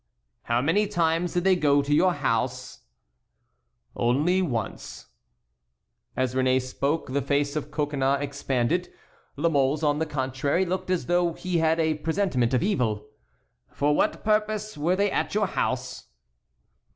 "How many times did they go to your house?" "Once only." As Réné spoke the face of Coconnas expanded; La Mole's, on the contrary, looked as though he had a presentiment of evil. "For what purpose were they at your house?"